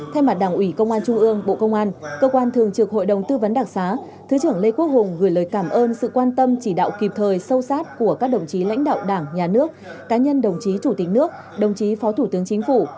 thay mặt đảng ủy công an trung ương bộ công an cơ quan thường trực hội đồng tư vấn đặc xá thứ trưởng lê quốc hùng gửi lời cảm ơn sự quan tâm chỉ đạo kịp thời sâu sát của các đồng chí lãnh đạo đảng nhà nước cá nhân đồng chí chủ tịch nước đồng chí phó thủ tướng chính phủ